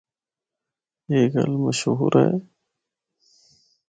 اے گل مشہور ہے۔